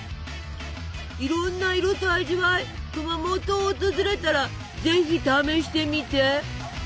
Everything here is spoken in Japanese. いろんな色と味わい熊本を訪れたらぜひ試してみて。